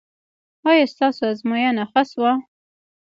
ایا ستاسو ازموینه ښه شوه؟